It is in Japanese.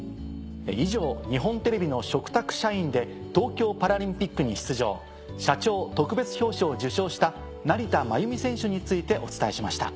以上日本テレビの嘱託社員で東京パラリンピックに出場社長特別表彰を受賞した成田真由美選手についてお伝えしました。